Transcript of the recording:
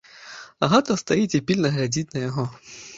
Агата стаіць і пільна глядзіць на яго.